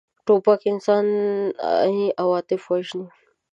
توپک انساني عواطف وژني.